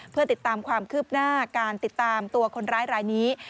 เพื่อติดตามความคืบหน้าการติดตามตัวคนร้ายรายนี้